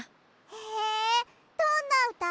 へえどんなうた？